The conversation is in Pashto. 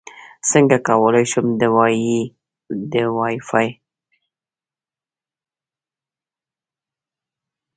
څنګه کولی شم د وائی فای سرعت ډېر کړم